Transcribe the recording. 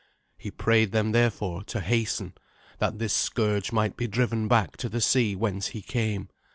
He prayed them therefore to hasten, that this scourge might be driven back to the sea whence he came.